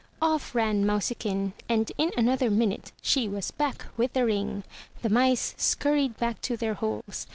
Off ran mousikin, and in another minute she was back with the ring. The mice scurried back to their holes.